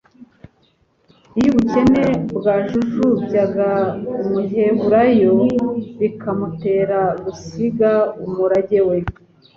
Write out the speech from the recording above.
Iyo ubukene bwajujubyaga umuheburayo bikamutera gusiga umurage we